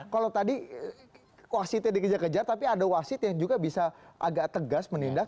kalau tadi wasitnya dikejar kejar tapi ada wasit yang juga bisa agak tegas menindak